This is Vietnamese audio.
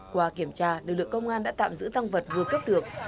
qua kiểm tra lực lượng công an đã tạm giữ tăng vật vừa cấp được